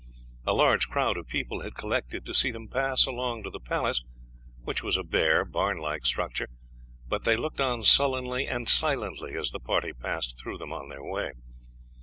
A large crowd of people had collected to see them pass along to the palace, which was a bare, barn like structure, but they looked on sullenly and silently as the party passed through them on their way.